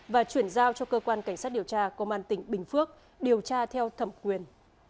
và chuyển giao cho cơ quan cảnh sát điều tra công an tỉnh bình phước điều tra theo thẩm quyền